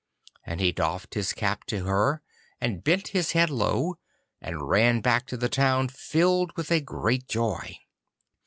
And he doffed his cap to her, and bent his head low, and ran back to the town filled with a great joy.